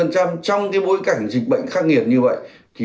trong bối cảnh dịch bệnh khắc nghiệt như vậy